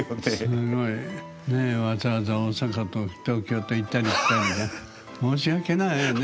すごい。ねえわざわざ大阪と東京と行ったり来たりで申し訳ないわね。